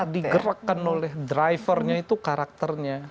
digerakkan oleh drivernya itu karakternya